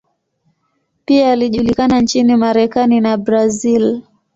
Pia alijulikana nchini Marekani na Brazil.